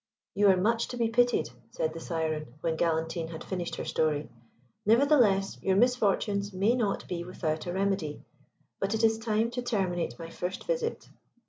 "You are much to be pitied," said the Syren, when Galantine had finished her story. "Nevertheless your misfortunes may not be without a remedy; but it is time to terminate my first visit."